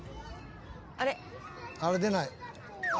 あれ？出ない。